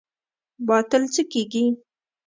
باطل څه کیږي؟